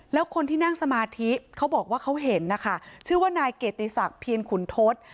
แล้วคนที่นั่งสมาธิเขาบอกว่าเขาเห็นนะคะชื่อว่านายเกียรติศักดิ์เพียรขุนทศ